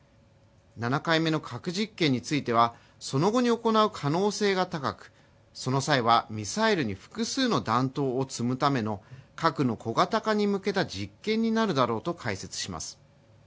７回目の核実験についてはその後に行う可能性が高く、その際はミサイルに複数の弾頭を積むための核の小型化に向けた実験になるだろうと解説します。